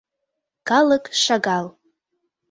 Калык шагал.